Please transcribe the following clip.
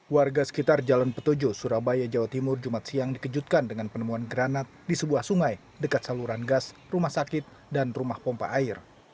warga sekitar jalan petujo surabaya jawa timur jumat siang dikejutkan dengan penemuan granat di sebuah sungai dekat saluran gas rumah sakit dan rumah pompa air